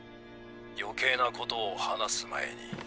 余計なことを話す前に。